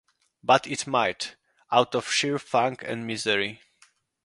But I might — out of sheer funk and misery.